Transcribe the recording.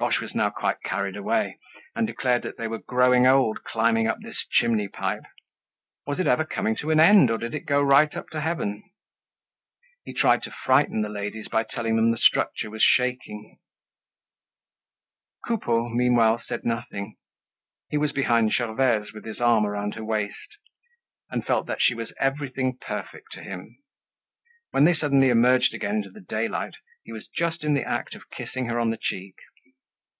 Boche was now quite carried away and declared that they were growing old climbing up this chimney pipe. Was it ever coming to an end, or did it go right up to heaven? He tried to frighten the ladies by telling them the structure was shaking. Coupeau, meanwhile, said nothing. He was behind Gervaise, with his arm around her waist, and felt that she was everything perfect to him. When they suddenly emerged again into the daylight, he was just in the act of kissing her on the cheek.